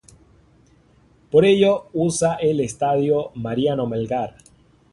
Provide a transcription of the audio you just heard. Por ello, usa el Estadio Mariano Melgar.